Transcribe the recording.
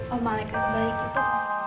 oh malaikat baik itu